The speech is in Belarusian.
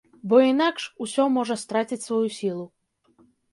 Бо інакш усё можа страціць сваю сілу.